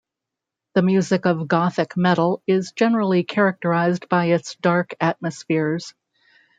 The music of gothic metal is generally characterised by its dark atmospheres.